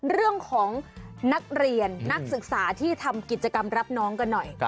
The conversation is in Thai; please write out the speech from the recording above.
เรื่องของนักเรียนนักศึกษาที่ทำกิจกรรมรับน้องกันหน่อย